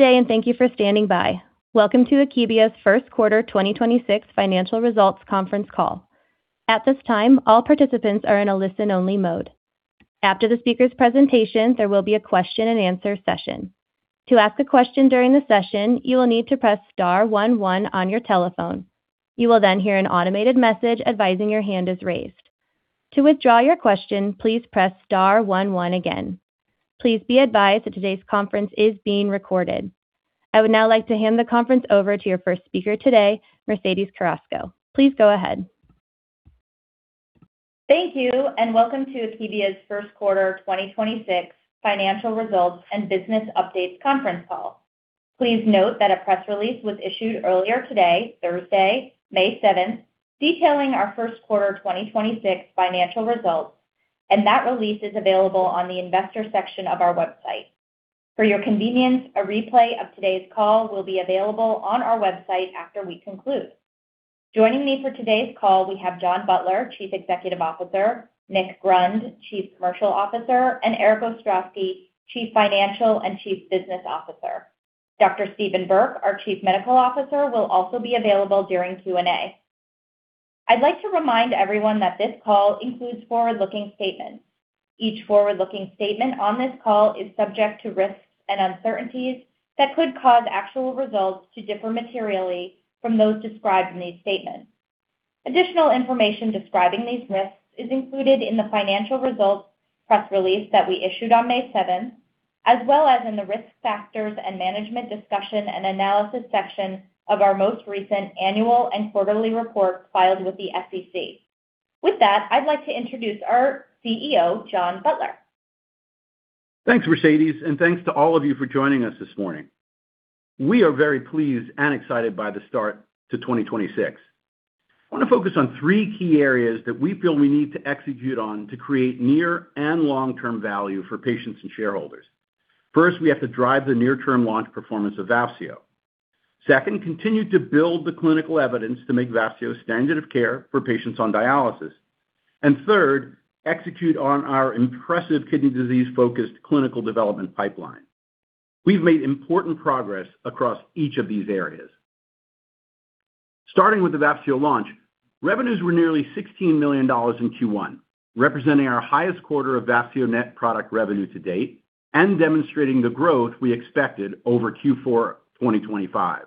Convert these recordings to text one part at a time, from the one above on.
Good day, and thank you for standing by. Welcome to Akebia's First Quarter 2026 Financial Results Conference Call. At this time, all participants are in a listen-only mode. After the speaker's presentation, there will be a question-and-answer session. Please be advised that today's conference is being recorded. I would now like to hand the conference over to your first speaker today, Mercedes Carrasco. Please go ahead. Thank you, and welcome to Akebia's First Quarter 2026 Financial Results and Business Updates Conference Call. Please note that a press release was issued earlier today, Thursday, May 7th, detailing our first quarter 2026 financial results, and that release is available on the investor section of our website. For your convenience, a replay of today's call will be available on our website after we conclude. Joining me for today's call, we have John Butler, Chief Executive Officer, Nick Grund, Chief Commercial Officer, and Erik Ostrowski, Chief Financial and Chief Business Officer. Dr. Steven Burke, our Chief Medical Officer, will also be available during Q&A. I'd like to remind everyone that this call includes forward-looking statements. Each forward-looking statement on this call is subject to risks and uncertainties that could cause actual results to differ materially from those described in these statements. Additional information describing these risks is included in the financial results press release that we issued on May 7th, as well as in the Risk Factors and Management Discussion and Analysis section of our most recent annual and quarterly report filed with the SEC. With that, I'd like to introduce our CEO, John Butler. Thanks, Mercedes, and thanks to all of you for joining us this morning. We are very pleased and excited by the start to 2026. I want to focus on three key areas that we feel we need to execute on to create near and long-term value for patients and shareholders. First, we have to drive the near-term launch performance of Vafseo. Second, continue to build the clinical evidence to make Vafseo standard of care for patients on dialysis. Third, execute on our impressive kidney disease-focused clinical development pipeline. We've made important progress across each of these areas. Starting with the Vafseo launch, revenues were nearly $16 million in Q1, representing our highest quarter of Vafseo net product revenue to date and demonstrating the growth we expected over Q4 2025.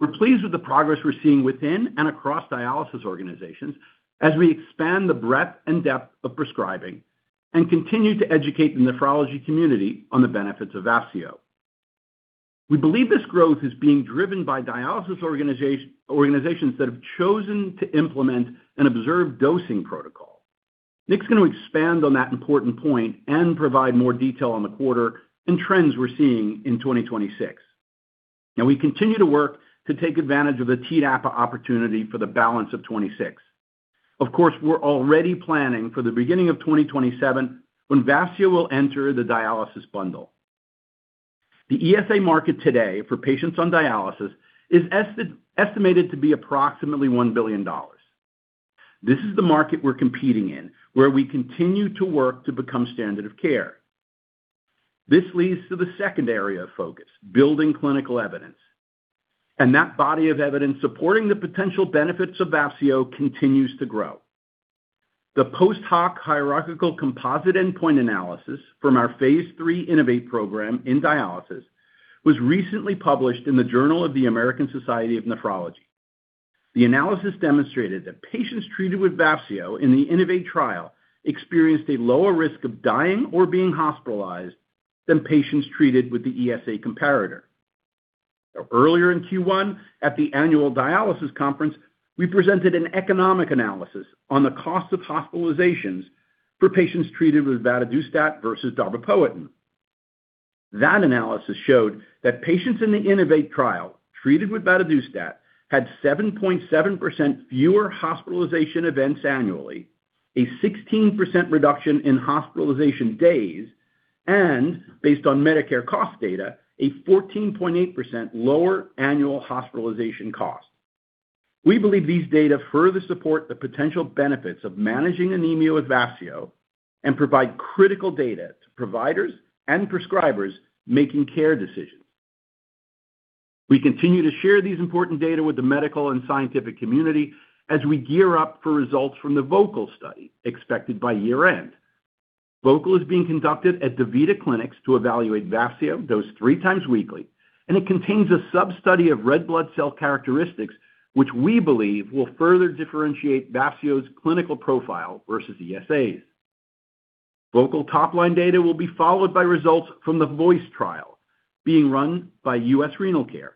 We're pleased with the progress we're seeing within and across dialysis organizations as we expand the breadth and depth of prescribing and continue to educate the nephrology community on the benefits of Vafseo. We believe this growth is being driven by dialysis organizations that have chosen to implement an observed dosing protocol. Nick's going to expand on that important point and provide more detail on the quarter and trends we're seeing in 2026. We continue to work to take advantage of the TDAPA opportunity for the balance of 2026. Of course, we're already planning for the beginning of 2027 when Vafseo will enter the dialysis bundle. The ESA market today for patients on dialysis is estimated to be approximately $1 billion. This is the market we're competing in, where we continue to work to become standard of care. This leads to the second area of focus, building clinical evidence. That body of evidence supporting the potential benefits of Vafseo continues to grow. The post hoc hierarchical composite endpoint analysis from our phase III INNO2VATE program in dialysis was recently published in the Journal of the American Society of Nephrology. The analysis demonstrated that patients treated with Vafseo in the INNO2VATE trial experienced a lower risk of dying or being hospitalized than patients treated with the ESA comparator. Earlier in Q1, at the Annual Dialysis Conference, we presented an economic analysis on the cost of hospitalizations for patients treated with vadadustat versus darbepoetin. That analysis showed that patients in the INNO2VATE trial treated with vadadustat had 7.7% fewer hospitalization events annually, a 16% reduction in hospitalization days, and based on Medicare cost data, a 14.8% lower annual hospitalization cost. We believe these data further support the potential benefits of managing anemia with Vafseo and provide critical data to providers and prescribers making care decisions. We continue to share these important data with the medical and scientific community as we gear up for results from the VOCAL study expected by year-end. VOCAL is being conducted at DaVita clinics to evaluate Vafseo dosed three times weekly, and it contains a sub-study of red blood cell characteristics which we believe will further differentiate Vafseo's clinical profile versus ESAs. VOCAL top-line data will be followed by results from the VOICE trial being run by U.S. Renal Care,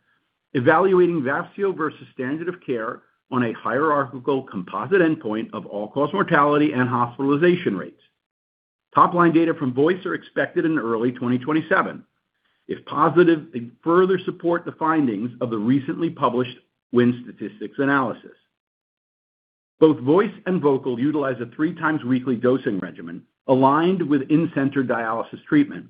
evaluating Vafseo versus standard of care on a hierarchical composite endpoint of all-cause mortality and hospitalization rates. Top-line data from VOICE are expected in early 2027. If positive, they further support the findings of the recently published win statistics analysis. Both VOICE and VOCAL utilize a three-times-weekly dosing regimen aligned with in-center dialysis treatment.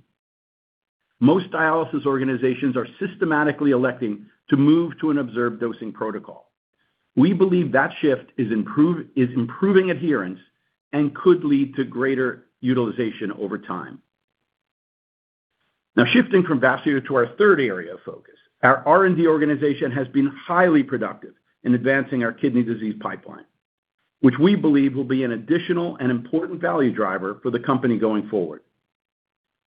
Most dialysis organizations are systematically electing to move to an observed dosing protocol. We believe that shift is improving adherence and could lead to greater utilization over time. Now, shifting from Vafseo to our third area of focus, our R&D organization has been highly productive in advancing our kidney disease pipeline, which we believe will be an additional and important value driver for the company going forward.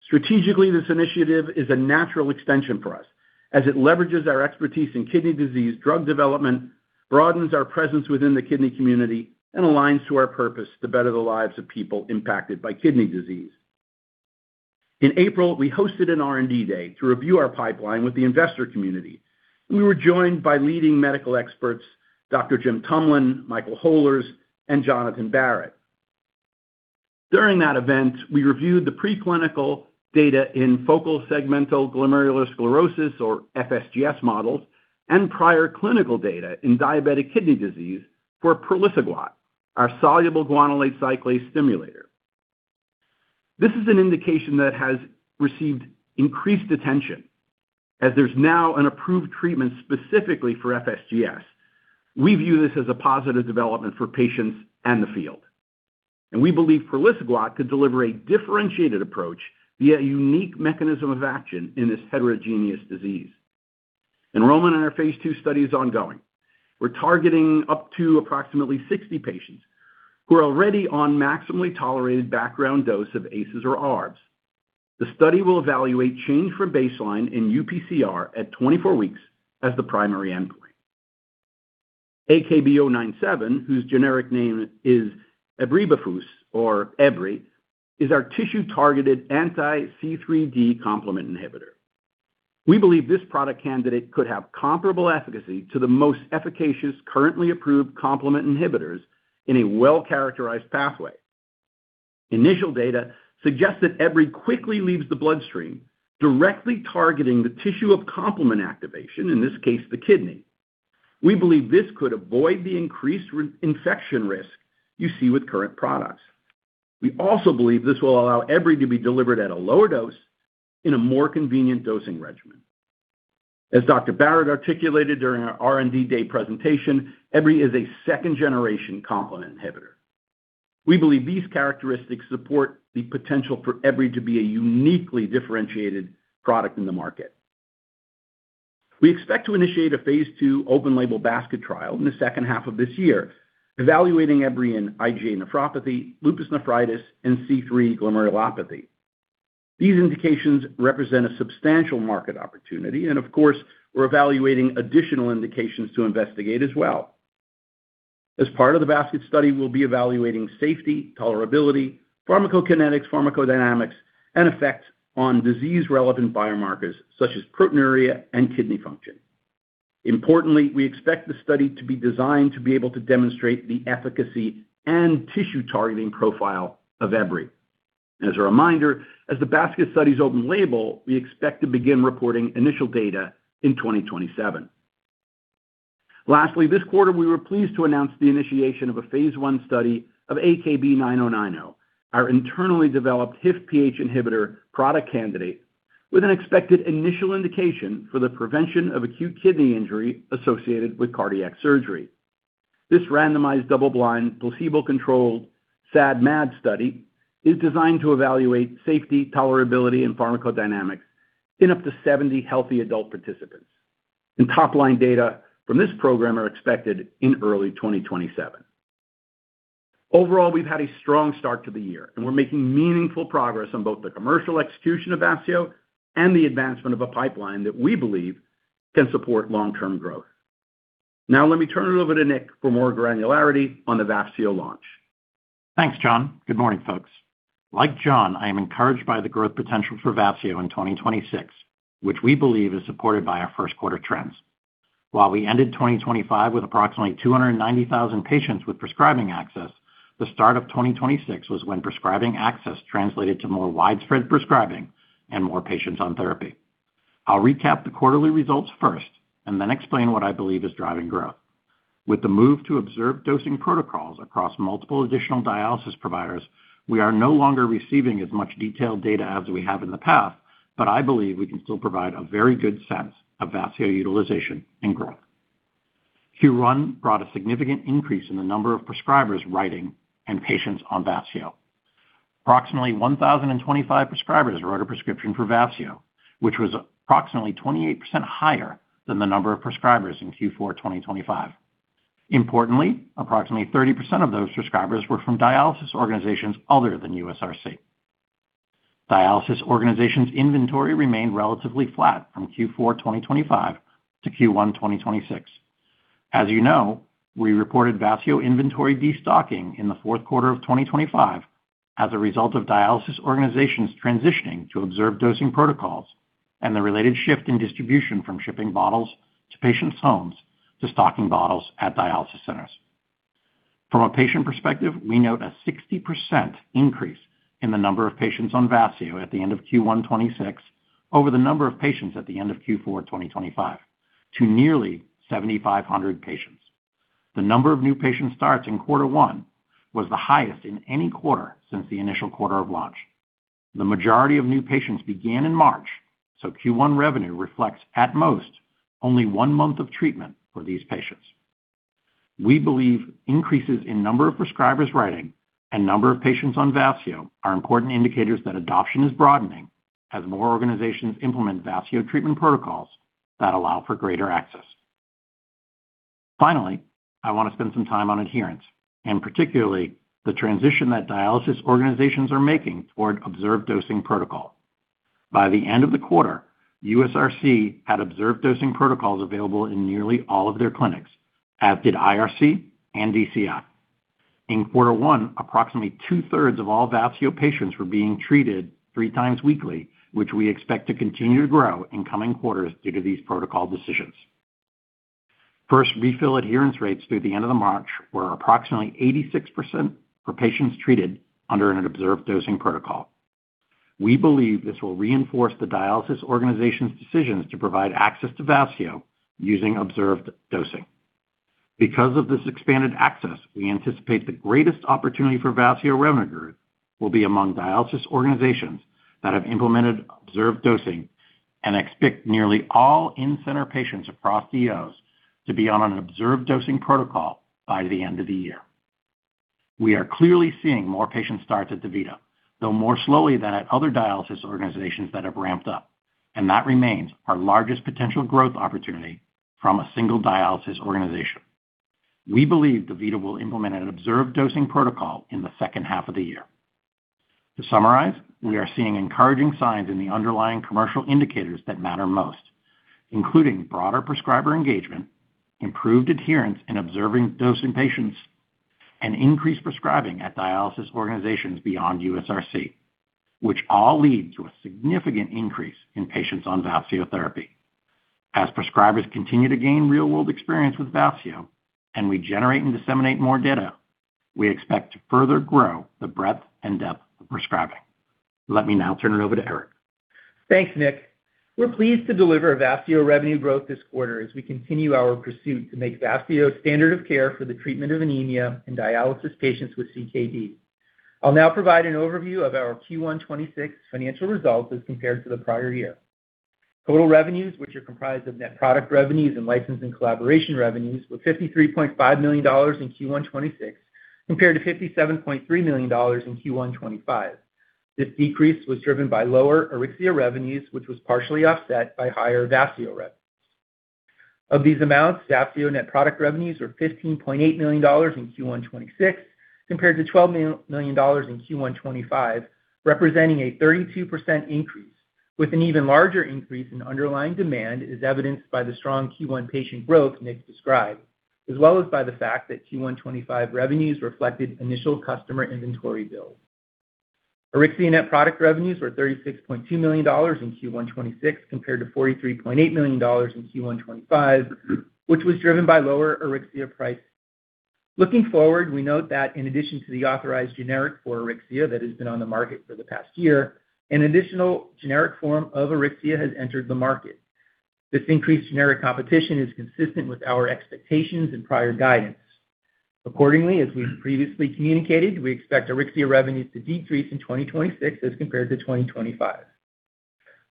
Strategically, this initiative is a natural extension for us as it leverages our expertise in kidney disease drug development, broadens our presence within the kidney community, and aligns to our purpose to better the lives of people impacted by kidney disease. In April, we hosted an R&D day to review our pipeline with the investor community. We were joined by leading medical experts Dr. James Tumlin, Michael Holers and Jonathan Barratt. During that event, we reviewed the preclinical data in focal segmental glomerulosclerosis or FSGS models and prior clinical data in diabetic kidney disease for praliciguat, our soluble guanylate cyclase stimulator. This is an indication that has received increased attention as there's now an approved treatment specifically for FSGS. We view this as a positive development for patients and the field, we believe praliciguat could deliver a differentiated approach via a unique mechanism of action in this heterogeneous disease. Enrollment in our phase II study is ongoing. We're targeting up to approximately 60 patients who are already on maximally tolerated background dose of ACEs or ARBs. The study will evaluate change from baseline in UPCR at 24 weeks as the primary endpoint. AKB-097, whose generic name is ebribafusp or Ebri, is our tissue-targeted anti-C3d complement inhibitor. We believe this product candidate could have comparable efficacy to the most efficacious currently approved complement inhibitors in a well-characterized pathway. Initial data suggests that Ebri quickly leaves the bloodstream, directly targeting the tissue of complement activation, in this case, the kidney. We believe this could avoid the increased re-infection risk you see with current products. We also believe this will allow Ebri to be delivered at a lower dose in a more convenient dosing regimen. As Dr. Jonathan Barratt articulated during our R&D day presentation, Ebri is a second-generation complement inhibitor. We believe these characteristics support the potential for Ebri to be a uniquely differentiated product in the market. We expect to initiate a phase II open label basket trial in the second half of this year, evaluating Ebri in IgA nephropathy, lupus nephritis, and C3 glomerulopathy. Of course, we're evaluating additional indications to investigate as well. As part of the basket study, we'll be evaluating safety, tolerability, pharmacokinetics, pharmacodynamics, and effect on disease-relevant biomarkers such as proteinuria and kidney function. Importantly, we expect the study to be designed to be able to demonstrate the efficacy and tissue targeting profile of Ebri. As a reminder, as the basket study's open label, we expect to begin reporting initial data in 2027. Lastly, this quarter we were pleased to announce the initiation of a phase I study of AKB-9090, our internally developed HIF-PH inhibitor product candidate with an expected initial indication for the prevention of acute kidney injury associated with cardiac surgery. This randomized double-blind, placebo-controlled SAD/MAD study is designed to evaluate safety, tolerability, and pharmacodynamics in up to 70 healthy adult participants. Top-line data from this program are expected in early 2027. Overall, we've had a strong start to the year, and we're making meaningful progress on both the commercial execution of Vafseo and the advancement of a pipeline that we believe can support long-term growth. Now, let me turn it over to Nick for more granularity on the Vafseo launch. Thanks, John. Good morning, folks. Like John, I am encouraged by the growth potential for Vafseo in 2026, which we believe is supported by our first quarter trends. While we ended 2025 with approximately 290,000 patients with prescribing access, the start of 2026 was when prescribing access translated to more widespread prescribing and more patients on therapy. I'll recap the quarterly results first and then explain what I believe is driving growth. With the move to observed dosing protocols across multiple additional dialysis providers, we are no longer receiving as much detailed data as we have in the past, but I believe we can still provide a very good sense of Vafseo utilization and growth. Q1 brought a significant increase in the number of prescribers writing and patients on Vafseo. Approximately 1,025 prescribers wrote a prescription for Vafseo, which was approximately 28% higher than the number of prescribers in Q4 2025. Importantly, approximately 30% of those prescribers were from dialysis organizations other than USRC. Dialysis organizations inventory remained relatively flat from Q4 2025 to Q1 2026. As you know, we reported Vafseo inventory destocking in the fourth quarter of 2025 as a result of dialysis organizations transitioning to observed dosing protocols and the related shift in distribution from shipping bottles to patients' homes to stocking bottles at dialysis centers. From a patient perspective, we note a 60% increase in the number of patients on Vafseo at the end of Q1 2026 over the number of patients at the end of Q4 2025 to nearly 7,500 patients. The number of new patient starts in quarter one was the highest in any quarter since the initial quarter of launch. The majority of new patients began in March, so Q1 revenue reflects at most only one month of treatment for these patients. We believe increases in number of prescribers writing and number of patients on Vafseo are important indicators that adoption is broadening as more organizations implement Vafseo treatment protocols that allow for greater access. Finally, I want to spend some time on adherence, and particularly the transition that dialysis organizations are making toward observed dosing protocol. By the end of the quarter, USRC had observed dosing protocols available in nearly all of their clinics, as did IRC and DCI. In quarter one, approximately 2/3 of all Vafseo patients were being treated three times weekly, which we expect to continue to grow in coming quarters due to these protocol decisions. First refill adherence rates through the end of March were approximately 86% for patients treated under an observed dosing protocol. We believe this will reinforce the dialysis organization's decisions to provide access to Vafseo using observed dosing. Because of this expanded access, we anticipate the greatest opportunity for Vafseo revenue growth will be among dialysis organizations that have implemented observed dosing and expect nearly all in-center patients across DOs to be on an observed dosing protocol by the end of the year. We are clearly seeing more patient starts at DaVita, though more slowly than at other dialysis organizations that have ramped up, and that remains our largest potential growth opportunity from a single dialysis organization. We believe DaVita will implement an observed dosing protocol in the second half of the year. To summarize, we are seeing encouraging signs in the underlying commercial indicators that matter most, including broader prescriber engagement, improved adherence in observing dosing patients, and increased prescribing at dialysis organizations beyond USRC, which all lead to a significant increase in patients on Vafseo therapy. As prescribers continue to gain real-world experience with Vafseo, and we generate and disseminate more data, we expect to further grow the breadth and depth of prescribing. Let me now turn it over to Erik. Thanks, Nick. We're pleased to deliver Vafseo revenue growth this quarter as we continue our pursuit to make Vafseo standard of care for the treatment of anemia in dialysis patients with CKD. I'll now provide an overview of our Q1 2026 financial results as compared to the prior year. Total revenues, which are comprised of net product revenues and license and collaboration revenues, were $53.5 million in Q1 2026 compared to $57.3 million in Q1 2025. This decrease was driven by lower AURYXIA revenues, which was partially offset by higher Vafseo revenues. Of these amounts, Vafseo net product revenues were $15.8 million in Q1 2026 compared to $12 million in Q1 2025, representing a 32% increase, with an even larger increase in underlying demand as evidenced by the strong Q1 patient growth Nick described, as well as by the fact that Q1 2025 revenues reflected initial customer inventory build. AURYXIA net product revenues were $36.2 million in Q1 2026 compared to $43.8 million in Q1 2025, which was driven by lower AURYXIA price. Looking forward, we note that in addition to the authorized generic for AURYXIA that has been on the market for the past year, an additional generic form of AURYXIA has entered the market. This increased generic competition is consistent with our expectations and prior guidance. Accordingly, as we previously communicated, we expect AURYXIA revenues to decrease in 2026 as compared to 2025.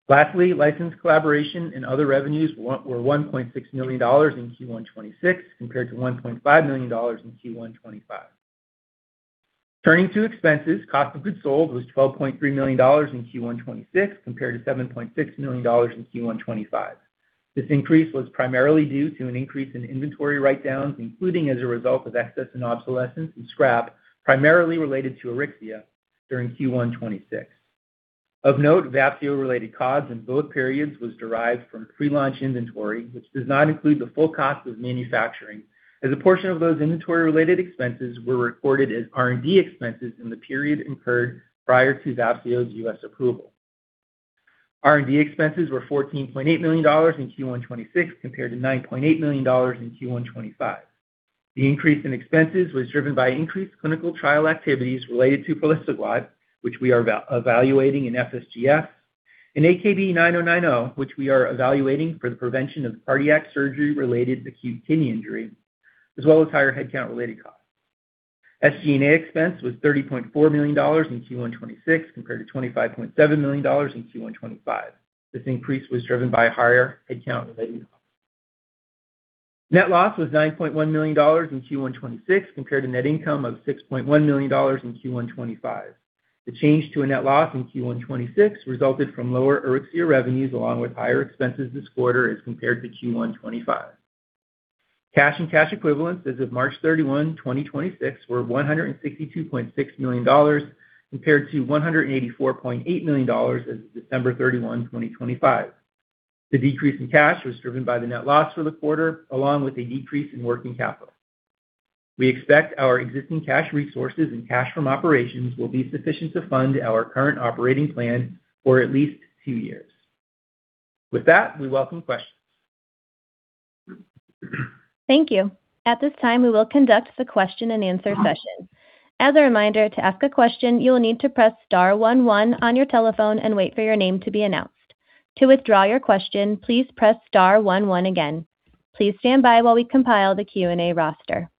Lastly, license collaboration and other revenues were $1.6 million in Q1 2026 compared to $1.5 million in Q1 2025. Turning to expenses, cost of goods sold was $12.3 million in Q1 2026 compared to $7.6 million in Q1 2025. This increase was primarily due to an increase in inventory write-downs, including as a result of excess and obsolescence and scrap, primarily related to AURYXIA during Q1 2026. Of note, Vafseo-related COGS in both periods was derived from pre-launch inventory, which does not include the full cost of manufacturing, as a portion of those inventory-related expenses were recorded as R&D expenses in the period incurred prior to Vafseo's U.S. approval. R&D expenses were $14.8 million in Q1 2026 compared to $9.8 million in Q1 2025. The increase in expenses was driven by increased clinical trial activities related to praliciguat, which we are evaluating in FSGS, and AKB-9090, which we are evaluating for the prevention of cardiac surgery-related acute kidney injury, as well as higher headcount-related costs. SG&A expense was $30.4 million in Q1 2026 compared to $25.7 million in Q1 2025. This increase was driven by higher headcount-related costs. Net loss was $9.1 million in Q1 2026 compared to net income of $6.1 million in Q1 2025. The change to a net loss in Q1 2026 resulted from lower AURYXIA revenues along with higher expenses this quarter as compared to Q1 2025. Cash and cash equivalents as of March 31, 2026 were $162.6 million compared to $184.8 million as of December 31, 2025. The decrease in cash was driven by the net loss for the quarter along with a decrease in working capital. We expect our existing cash resources and cash from operations will be sufficient to fund our current operating plan for at least two years. With that, we welcome questions. Thank you. At this time, we will conduct the question-and-answer session. As a reminder, to ask a question, you will need to press star one one on your telephone and wait for your name to be announced. To withdraw your question, please press star one one again. Please stand by while we compile the Q&A roster.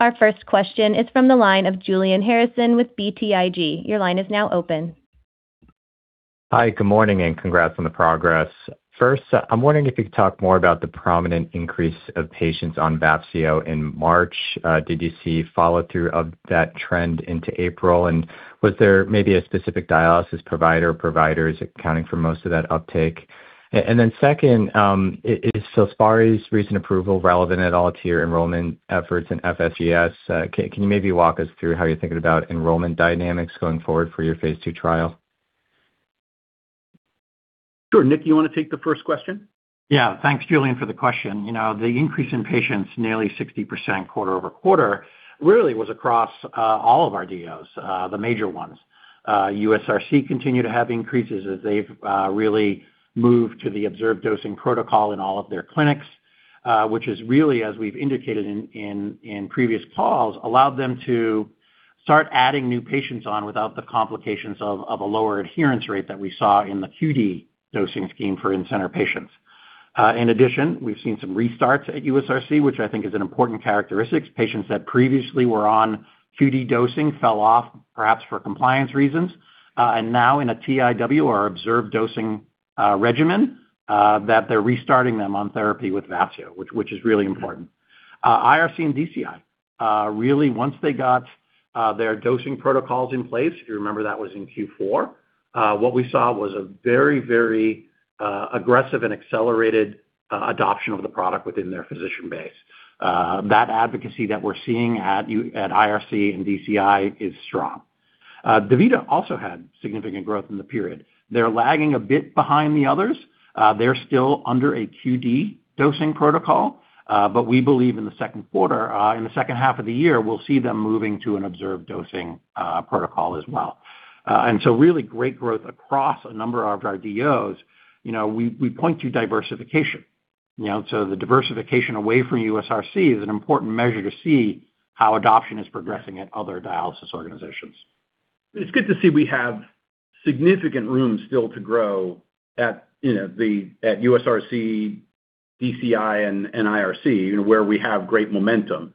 Our first question is from the line of Julian Harrison with BTIG. Your line is now open. Hi, good morning, and congrats on the progress. First, I'm wondering if you could talk more about the prominent increase of patients on Vafseo in March. Did you see follow-through of that trend into April? Was there maybe a specific dialysis provider or providers accounting for most of that uptake? Then second, is FILSPARI's recent approval relevant at all to your enrollment efforts in FSGS? Can you maybe walk us through how you're thinking about enrollment dynamics going forward for your phase II trial? Sure. Nick, you wanna take the first question? Yeah. Thanks, Julian, for the question. You know, the increase in patients, nearly 60% quarter-over-quarter, really was across all of our DOs, the major ones. USRC continued to have increases as they've really moved to the observed dosing protocol in all of their clinics, which is really, as we've indicated in previous calls, allowed them to start adding new patients on without the complications of a lower adherence rate that we saw in the QD dosing scheme for in-center patients. In addition, we've seen some restarts at USRC, which I think is an important characteristics. Patients that previously were on QD dosing fell off, perhaps for compliance reasons, and now in a TIW or observed dosing regimen, that they're restarting them on therapy with Vafseo, which is really important. IRC and DCI, really once they got their dosing protocols in place, if you remember, that was in Q4, what we saw was a very, very aggressive and accelerated adoption of the product within their physician base. That advocacy that we're seeing at IRC and DCI is strong. DaVita also had significant growth in the period. They're lagging a bit behind the others. They're still under a QD dosing protocol, but we believe in the second quarter, in the second half of the year, we'll see them moving to an observed dosing protocol as well. Really great growth across a number of our DOs. You know, we point to diversification. You know, the diversification away from USRC is an important measure to see how adoption is progressing at other dialysis organizations. It's good to see we have significant room still to grow at USRC, DCI and IRC, you know, where we have great momentum.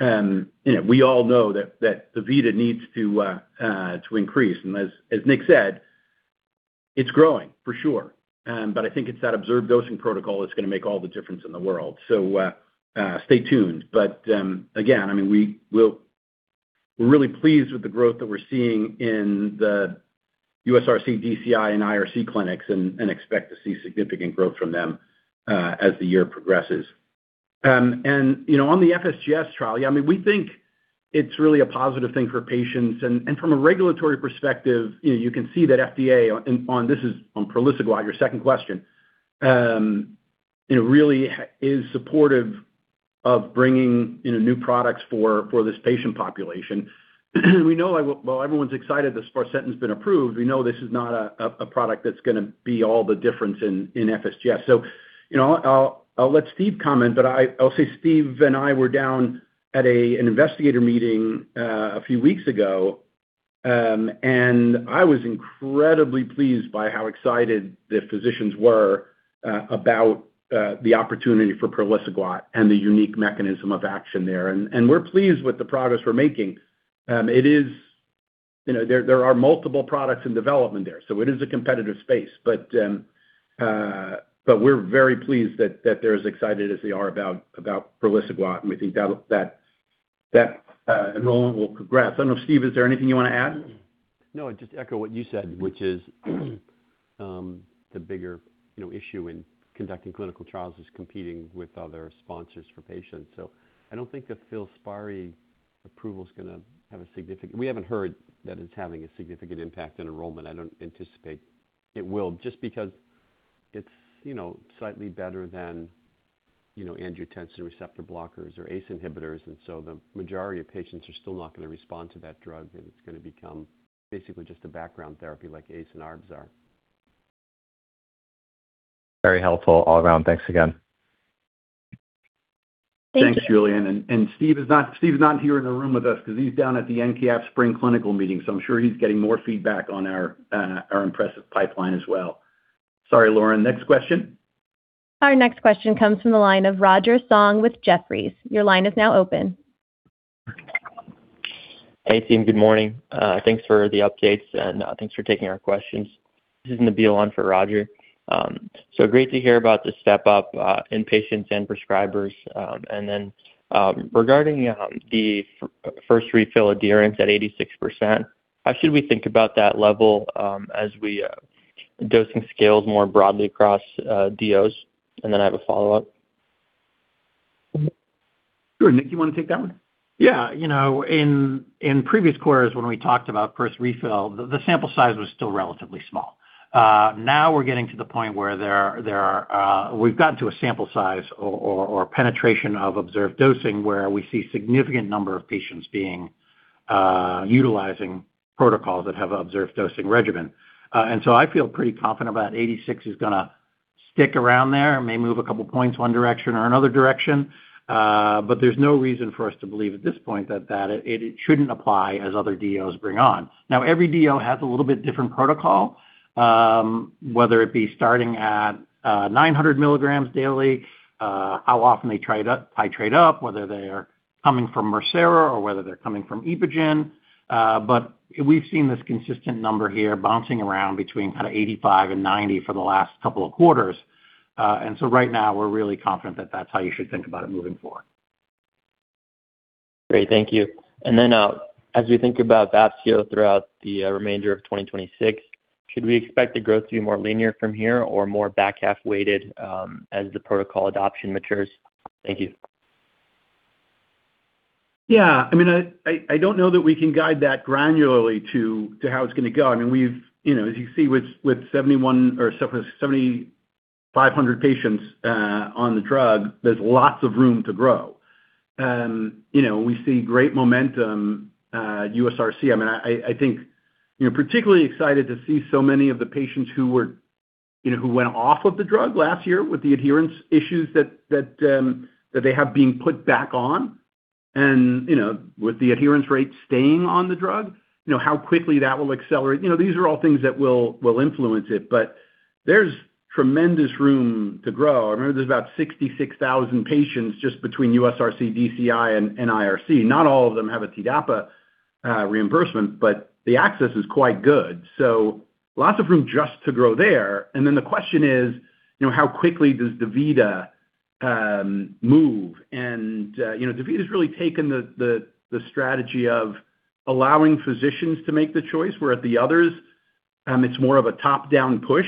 You know, we all know that DaVita needs to increase. As Nick said, it's growing for sure. I think it's that observed dosing protocol that's gonna make all the difference in the world. Stay tuned. Again, I mean, we're really pleased with the growth that we're seeing in the USRC, DCI and IRC clinics and expect to see significant growth from them as the year progresses. You know, on the FSGS trial, yeah, I mean, we think it's really a positive thing for patients. From a regulatory perspective, you know, you can see that FDA on this is on praliciguat, your second question, you know, really is supportive of bringing, you know, new products for this patient population. We know, well, everyone's excited that sparsentan has been approved. We know this is not a product that's gonna be all the difference in FSGS. You know, I'll let Steve comment, but I'll say Steve and I were down at an investigator meeting a few weeks ago, and I was incredibly pleased by how excited the physicians were about the opportunity for praliciguat and the unique mechanism of action there. We're pleased with the progress we're making. It is you know, there are multiple products in development there, so it is a competitive space. We're very pleased that they're as excited as they are about praliciguat, and we think that enrollment will progress. I don't know, Steve, is there anything you wanna add? No, just echo what you said, which is, the bigger, you know, issue in conducting clinical trials is competing with other sponsors for patients. I don't think the FILSPARI approval is gonna have a significant impact in enrollment. I don't anticipate it will just because it's, you know, slightly better than, you know, angiotensin receptor blockers or ACE inhibitors. The majority of patients are still not gonna respond to that drug, and it's gonna become basically just a background therapy like ACE and ARBs are. Very helpful all around. Thanks again. Thank you. Thanks, Julian. Steve's not here in the room with us 'cause he's down at the NKF Spring Clinical Meetings, so I'm sure he's getting more feedback on our impressive pipeline as well. Sorry, Lauren. Next question. Our next question comes from the line of Roger Song with Jefferies. Your line is now open. Hey, team. Good morning. Thanks for the updates, and thanks for taking our questions. This is Nabil on for Roger. Great to hear about the step up in patients and prescribers. Regarding the first refill adherence at 86%, how should we think about that level as we dosing scales more broadly across DOs? I have a follow-up. Sure. Nick, you wanna take that one? Yeah. You know, in previous quarters when we talked about first refill, the sample size was still relatively small. Now we're getting to the point where there are, we've gotten to a sample size or penetration of observed dosing where we see significant number of patients being utilizing protocols that have observed dosing regimen. I feel pretty confident about 86 is gonna stick around there, may move a couple points one direction or another direction. There's no reason for us to believe at this point that it shouldn't apply as other DOs bring on. Now, every DO has a little bit different protocol, whether it be starting at 900 mg daily, how often they titrate up, whether they are coming from Mircera or whether they're coming from EPOGEN. We've seen this consistent number here bouncing around between kind of 85 and 90 for the last couple of quarters. Right now we're really confident that that's how you should think about it moving forward. Great. Thank you. As we think about Vafseo throughout the remainder of 2026, should we expect the growth to be more linear from here or more back half-weighted as the protocol adoption matures? Thank you. Yeah, I mean, I don't know that we can guide that granularly to how it's gonna go. I mean, we've, you know, as you see with 71 or 7,500 patients on the drug, there's lots of room to grow. You know, we see great momentum, USRC. I mean, I think, you know, particularly excited to see so many of the patients who were, you know, who went off of the drug last year with the adherence issues that they have being put back on and, you know, with the adherence rate staying on the drug, you know, how quickly that will accelerate. You know, these are all things that will influence it, there's tremendous room to grow. I remember there's about 66,000 patients just between USRC, DCI, and IRC. Not all of them have a TDAPA reimbursement, but the access is quite good. Lots of room just to grow there. Then the question is, you know, how quickly does DaVita move? You know, DaVita's really taken the strategy of allowing physicians to make the choice, where at the others, it's more of a top-down push.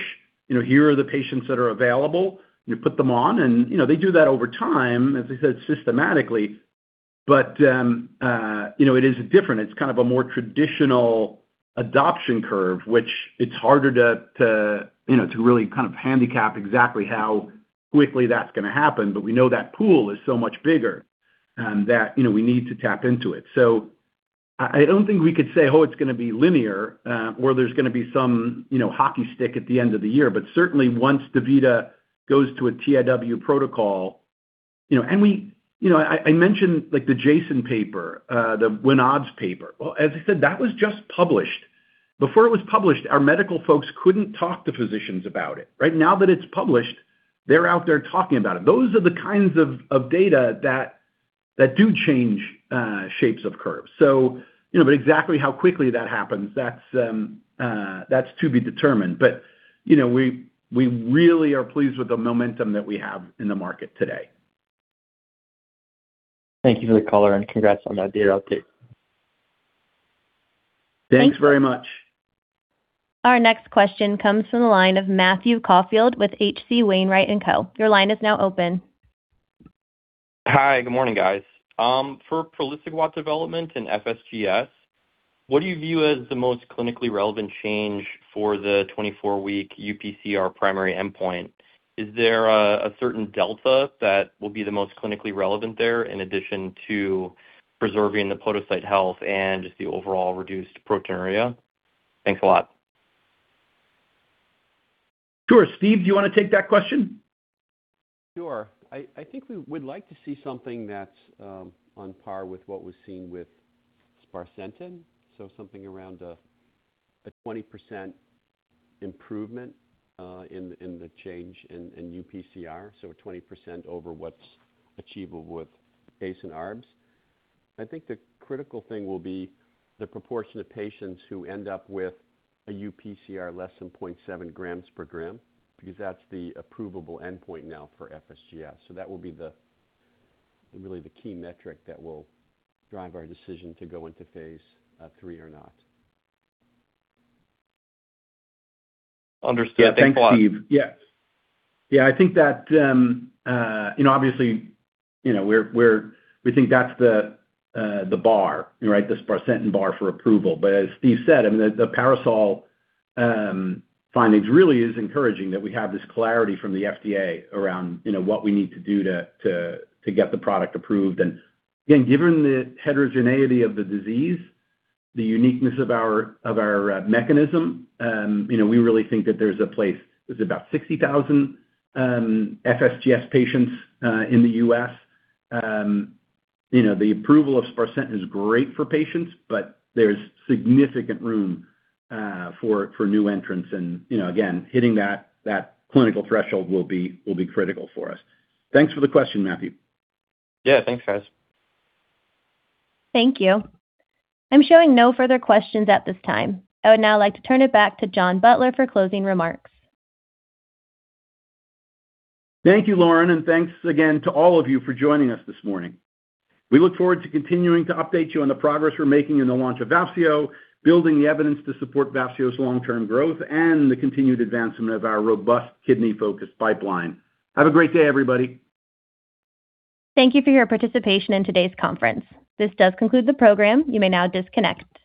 You know, here are the patients that are available. You put them on and, you know, they do that over time, as I said, systematically. You know, it is different. It's kind of a more traditional adoption curve, which it's harder to, you know, to really kind of handicap exactly how quickly that's gonna happen. We know that pool is so much bigger that, you know, we need to tap into it. I don't think we could say, "Oh, it's gonna be linear," or there's gonna be some, you know, hockey stick at the end of the year. Certainly once DaVita goes to a TIW protocol, you know. You know, I mentioned like the JASN paper, the win odds paper. As I said, that was just published. Before it was published, our medical folks couldn't talk to physicians about it, right? Now that it's published, they're out there talking about it. Those are the kinds of data that do change shapes of curves. You know, exactly how quickly that happens, that's to be determined. You know, we really are pleased with the momentum that we have in the market today. Thank you for the color and congrats on that data update. Thanks very much. Our next question comes from the line of Matthew Caufield with H.C. Wainwright & Co. Your line is now open. Hi. Good morning, guys. For praliciguat development and FSGS, what do you view as the most clinically relevant change for the 24-week UPCR primary endpoint? Is there a certain delta that will be the most clinically relevant there in addition to preserving the podocyte health and just the overall reduced proteinuria? Thanks a lot. Sure. Steve, do you wanna take that question? Sure. I think we would like to see something that's on par with what was seen with sparsentan, so something around a 20% improvement in the change in UPCR, so 20% over what's achievable with ACE and ARBs. I think the critical thing will be the proportion of patients who end up with a UPCR less than 0.7 grams per gram, because that's the approvable endpoint now for FSGS. That will be really the key metric that will drive our decision to go into phase III or not. Understood. Thanks a lot. Thanks, Steve. I think that, you know, obviously, you know, we think that's the bar, right? The sparsentan bar for approval. As Steve said, I mean, the PARASOL findings really is encouraging that we have this clarity from the FDA around, you know, what we need to do to get the product approved. Again, given the heterogeneity of the disease, the uniqueness of our mechanism, you know, we really think that there's a place. There's about 60,000 FSGS patients in the U.S. You know, the approval of sparsentan is great for patients, but there's significant room for new entrants and, you know, again, hitting that clinical threshold will be critical for us. Thanks for the question, Matthew. Yeah. Thanks, guys. Thank you. I'm showing no further questions at this time. I would now like to turn it back to John Butler for closing remarks. Thank you, Lauren, and thanks again to all of you for joining us this morning. We look forward to continuing to update you on the progress we're making in the launch of Vafseo, building the evidence to support Vafseo's long-term growth, and the continued advancement of our robust kidney-focused pipeline. Have a great day, everybody. Thank you for your participation in today's conference. This does conclude the program. You may now disconnect.